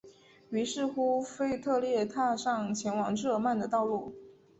于是乎腓特烈踏上前往日尔曼的道路。